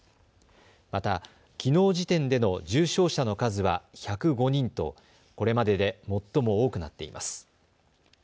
また、きのう時点での重症者の数は１０５人とこれまでで最も多くなっています。